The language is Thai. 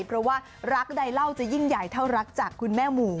เพราะว่ารักใดเล่าจะยิ่งใหญ่เท่ารักจากคุณแม่หมู่